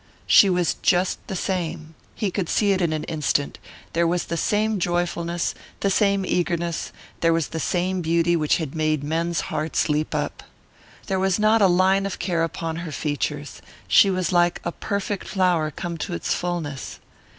She was just the same. He could see it in an instant; there was the same joyfulness, the same eagerness; there was the same beauty, which had made men's hearts leap up. There was not a line of care upon her features she was like a perfect flower come to its fulness.